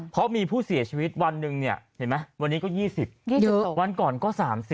เพราะมีผู้เสียชีวิตวันหนึ่งวันนี้ก็๒๐วันก่อนก็๓๐